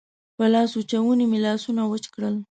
په لاسوچوني مې لاسونه وچ کړل.